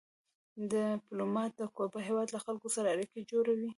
ډيپلومات د کوربه هېواد له خلکو سره اړیکې جوړوي.